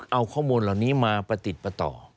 เอาข้อมูลเหล่านี้มาประติดประต่อ